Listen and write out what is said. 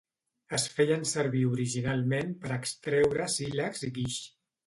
Es feien servir originalment per extreure sílex i guix.